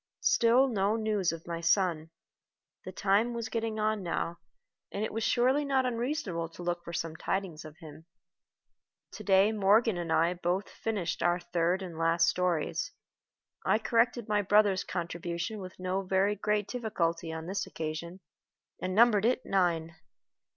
Still no news of my son. The time was getting on now, and it was surely not unreasonable to look for some tidings of him. To day Morgan and I both finished our third and last stories. I corrected my brother's contribution with no very great difficulty on this occasion, and numbered it Nine.